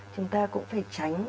chúng ta cũng phải tránh